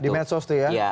di media sosial itu ya